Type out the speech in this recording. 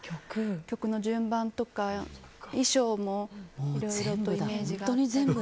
曲の順番とか衣装も、いろいろとイメージが。